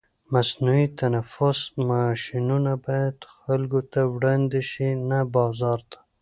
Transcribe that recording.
مصنوعي تنفس ماشینونه باید خلکو ته وړاندې شي، نه بازار ته.